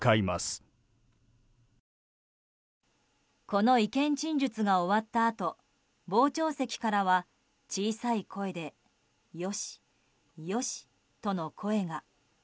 この意見陳述が終わったあと傍聴席からは小さい声でよし、よしとの声が。